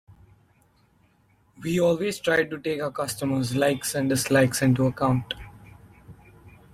We always try to take our customers’ likes and dislikes into account.